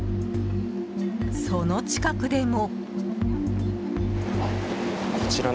その近くでも。